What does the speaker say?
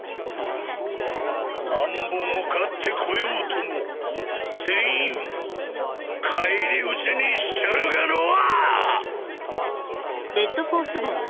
なんぼ向かってこようとも全員返り討ちにしちゃるがのう。